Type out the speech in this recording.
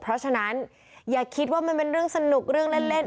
เพราะฉะนั้นอย่าคิดว่ามันเป็นเรื่องสนุกเรื่องเล่น